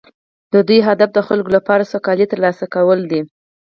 د دوی هدف د خلکو لپاره سوکالي ترلاسه کول دي